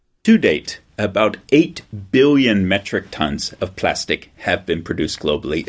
sejauh ini sekitar delapan juta ton plastik yang telah diproduksi di dunia